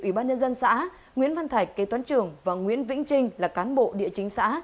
ủy ban nhân dân xã nguyễn văn thạch kế toán trưởng và nguyễn vĩnh trinh là cán bộ địa chính xã